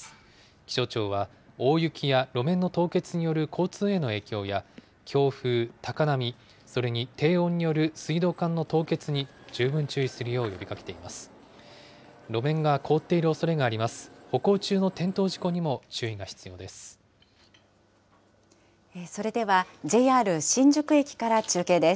気象庁は大雪や路面の凍結による交通への影響や、強風、高波、それに低温による水道管の凍結に十分注意するよう呼びかけています。